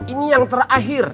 ini yang terakhir